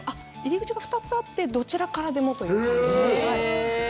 入り口が２つあってどちらからでもという感じです。